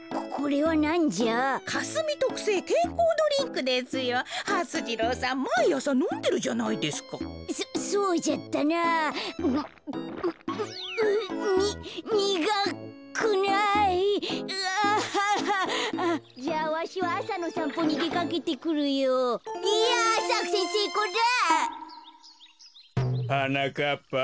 はなかっぱ。